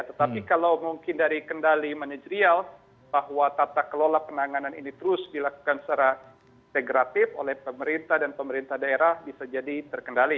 tetapi kalau mungkin dari kendali manajerial bahwa tata kelola penanganan ini terus dilakukan secara integratif oleh pemerintah dan pemerintah daerah bisa jadi terkendali